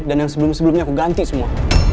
dan yang sebelum sebelumnya aku ganti semua